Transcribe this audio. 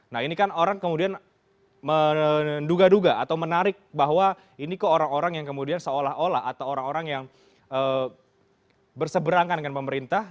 nah ini kan orang kemudian menduga duga atau menarik bahwa ini kok orang orang yang kemudian seolah olah atau orang orang yang berseberangan dengan pemerintah